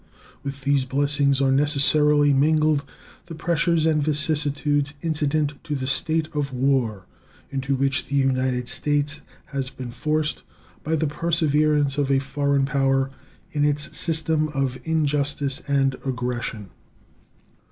With these blessings are necessarily mingled the pressures and vicissitudes incident to the state of war into which the United States have been forced by the perseverance of a foreign power in its system of injustice and aggression.